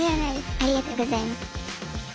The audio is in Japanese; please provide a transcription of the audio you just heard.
ありがとうございます。